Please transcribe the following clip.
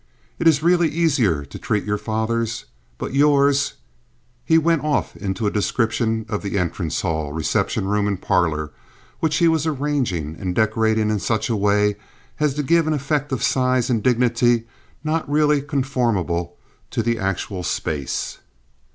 It is really easier to treat your father's. But yours—" He went off into a description of the entrance hall, reception room and parlor, which he was arranging and decorating in such a way as to give an effect of size and dignity not really conformable to the actual space.